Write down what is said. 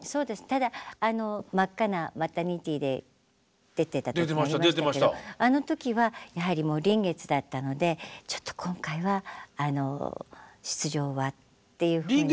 ただ真っ赤なマタニティーで出ていた時ありましたけどあの時はやはりもう臨月だったので「ちょっと今回は出場は」っていうふうに。